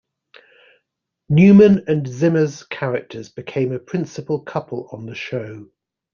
Newman and Zimmer's characters became a principal couple on the show.